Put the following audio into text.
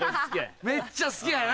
めっちゃ好きやな？